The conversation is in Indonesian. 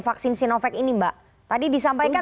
vaksin sinovac ini mbak tadi disampaikan